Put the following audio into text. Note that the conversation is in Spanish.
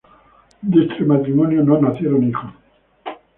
De este matrimonio no nacieron hijos.